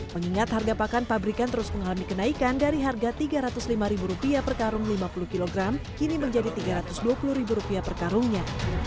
mengingat harga pakan pabrikan terus mengalami kenaikan dari harga rp tiga ratus lima per karung lima puluh kg kini menjadi rp tiga ratus dua puluh per karungnya